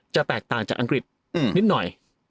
แตกต่างจากอังกฤษนิดหน่อย